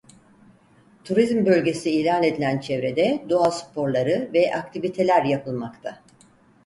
Turizm bölgesi ilan edilen çevrede doğa sporları ve aktiviteler yapılmakta.